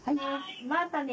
またね！